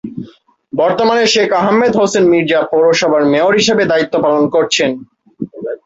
বর্তমানে শেখ আহমেদ হোসেন মির্জা পৌরসভার মেয়র হিসেবে দায়িত্ব পালন করছেন।